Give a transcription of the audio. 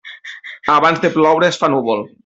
Abans de ploure, es fa núvol.